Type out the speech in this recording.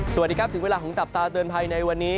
สวัสดีครับถึงเวลาของจับตาเตือนภัยในวันนี้